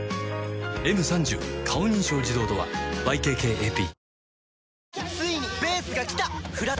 「Ｍ３０ 顔認証自動ドア」ＹＫＫＡＰ